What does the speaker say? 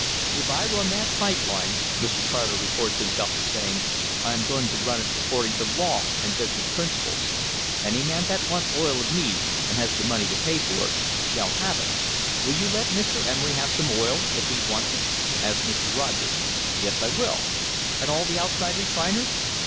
"If I run that pipe line," Mr. Car ter reports himself as saying, "I am going to run it accord ing to law and business principles. Any man that wants oil of me, and has the money to pay for it, shall have it." "Will you let Mr. Emery have some oil if he wants it?" asked Mr. Rogers. "Yes, I will." "And all the outside re finers?"